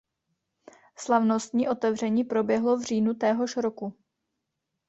Slavnostní otevření proběhlo v říjnu téhož roku.